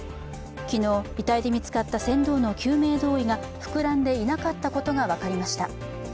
昨日、遺体で見つかった船頭の救命胴衣が膨らんでいなかったことが分かりました。